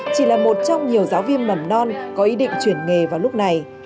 chỉ là một trong nhiều giáo viên mầm non có ý định chuyển nghề vào lúc này